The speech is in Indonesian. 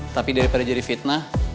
tapi daripada jadi fitnah